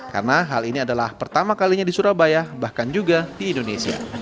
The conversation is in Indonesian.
karena hal ini adalah pertama kalinya di surabaya bahkan juga di indonesia